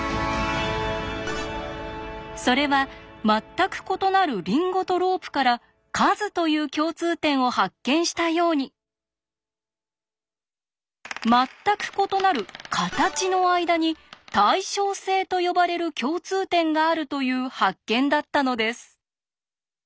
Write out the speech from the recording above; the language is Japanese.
それは全く異なるリンゴとロープから「数」という共通点を発見したように全く異なる「形」の間に「対称性」と呼ばれる共通点があるという発見だったのです。